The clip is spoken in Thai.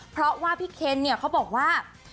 เพราะว่าพี่เคนเนี่ยเขาบอกว่า